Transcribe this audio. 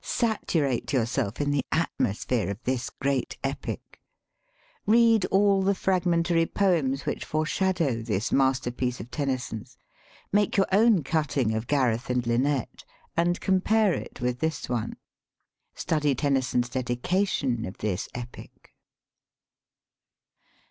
Saturate yourself in the atmosphere of this great epic. Read all the fragmentary poems which foreshadow" this masterpiece of Tennyson's. Make your own cutting of "Gareth and Lynette," and 182 EPIC POETRY compare it with this one. Study Tennyson's dedication of this epic.